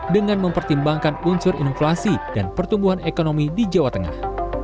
dengan mempertimbangkan unsur inflasi dan pertumbuhan ekonomi di jawa tengah